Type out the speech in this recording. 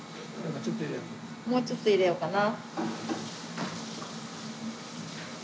もうちょっと入れようかな。